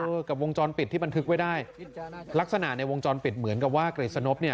กับวงจรปิดที่บันทึกไว้ได้ลักษณะในวงจรปิดเหมือนกับว่ากฤษนบเนี่ย